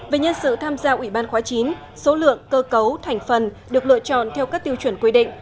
về nhân sự tham gia ủy ban khóa chín số lượng cơ cấu thành phần được lựa chọn theo các tiêu chuẩn quy định